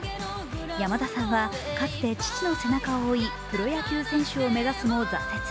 山田さんはかつて父の背中を追いプロ野球選手を目指すも挫折。